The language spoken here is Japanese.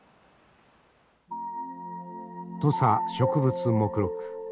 「土佐植物目録」。